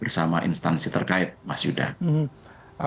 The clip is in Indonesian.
bersama instansi terkait mas yuda